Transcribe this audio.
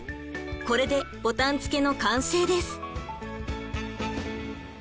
これでボタン付けの完成です。